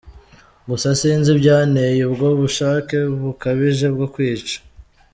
Gusa sinzi ibyanteye ubwo bushake bukabije bwo kwica.